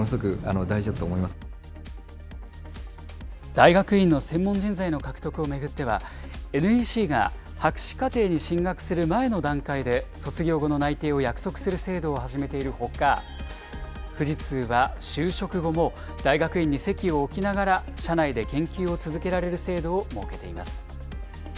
大学院の専門人材の獲得を巡っては、ＮＥＣが博士課程に進学する前の段階で、卒業後の内定を約束する制度を始めているほか、富士通は就職後も、大学院に籍を置きながら、社内で研究を続けられる制度を設けています。